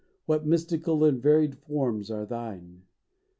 What mystical and varied forms are thine